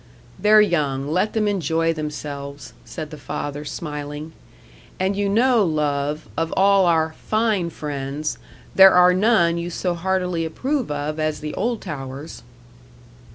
"They're young let them enjoy themselves," said the father, smiling. "And you know, love, of all our 'fine' friends, there are none you so heartily approve of as the Oldtowers."